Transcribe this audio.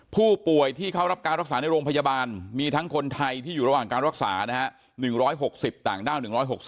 ผู้ป่วยที่เขารับการรักษาในโรงพยาบาลมีทั้งคนไทยที่อยู่ระหว่างการรักษานะฮะ๑๖๐ต่างด้าว๑๖๐